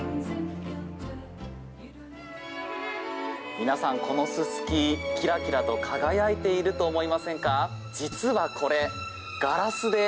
皆さん、このススキキラキラと輝いていると思いませんか？